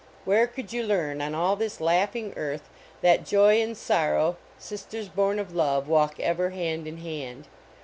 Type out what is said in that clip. Where could you learn, on all this laughing earth, that Joy and Sorrow, sisters born of Love, walk ever hand in hand?